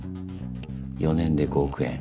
４年で５億円。